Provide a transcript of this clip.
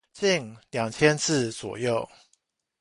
近兩千字左右